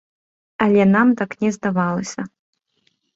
Але нам так не здавалася.